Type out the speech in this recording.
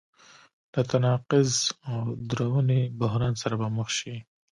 له تناقض او دروني بحران سره به مخ شي.